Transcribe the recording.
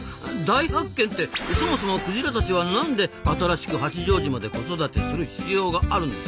大発見ってそもそもクジラたちはなんで新しく八丈島で子育てする必要があるんですか？